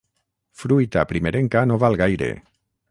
Fruita primerenca no val gaire.